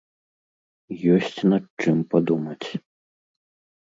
Ёсць над чым падумаць.